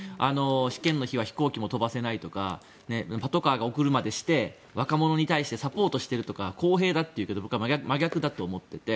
試験の日は飛行機も飛ばせないとかパトカーまで出して若者に対してサポートしてるとか公平だというけど僕は真逆だと思ってて。